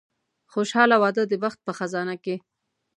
خوشاله واده د بخت په خزانه کې.